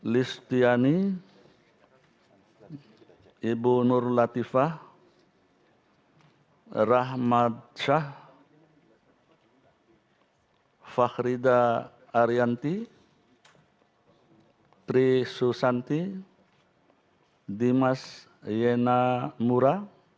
listiani ibu nur latifah rahmat shah fakhrida ariyanti tri susanti dimas yena mura